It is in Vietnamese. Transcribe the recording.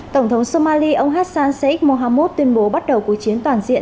tổng thống somali ông hassan saeed mohammud tuyên bố bắt đầu cuộc chiến toàn diện